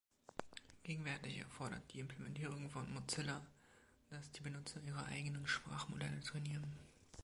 Gegenwärtig erfordert die Implementierung von Mozilla, dass die Benutzer ihre eigenen Sprachmodelle trainieren.